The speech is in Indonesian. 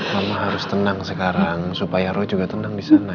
mama harus tenang sekarang supaya roy juga tenang di sana